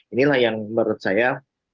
inilah yang menurut saya